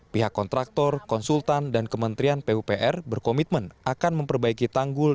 pihak kontraktor konsultan dan kementerian pupr berkomitmen akan memperbaiki tanggul